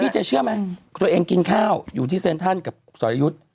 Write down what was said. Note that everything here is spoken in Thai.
เจ๊เชื่อไหมตัวเองกินข้าวอยู่ที่เซ็นทรัลกับสรยุทธ์